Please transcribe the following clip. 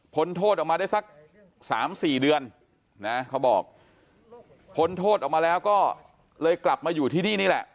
โทษออกมาได้สัก๓๔เดือนนะเขาบอกพ้นโทษออกมาแล้วก็เลยกลับมาอยู่ที่นี่นี่แหละ